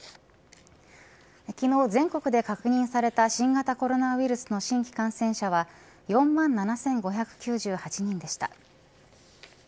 昨日、全国で確認された新型コロナウイルスの新規感染者は４万７５９８人でした。